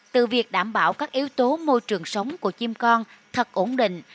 từ việc đảm bảo các yếu tố môi trường sống của chim con thật ổn định